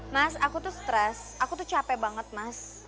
mas aku tuh stres aku tuh capek banget mas